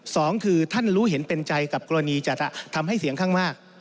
สองคือท่านรู้เห็นเป็นใจกับกรณีจะทำให้เสียงข้างมาก